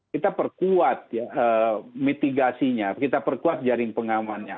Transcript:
kita perkuat mitigasinya kita perkuat jaring pengamannya